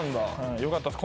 よかったっす。